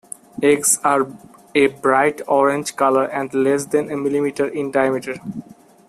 Eggs are a bright orange color and less than a millimeter in diameter.